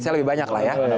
saya lebih banyak lah ya